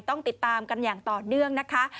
ต้องติดตามกันอย่างต่อเนื่องนะคะ